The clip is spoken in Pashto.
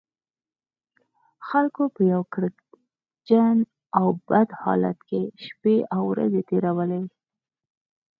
خلکو په یو کړکېچن او بد حالت کې شپې او ورځې تېرولې.